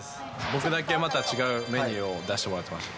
僕だけ違うメニューを出してもらってました。